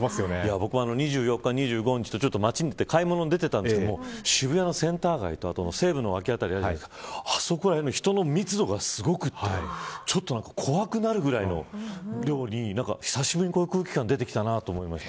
僕も２４日、２５日と街に買い物に行ったんですけど渋谷のセンター街と西武の脇の辺りあそこら辺の人の密度がすごくてちょっと怖くなるぐらいの量に久しぶりに、この空気感出てきたなと思いました。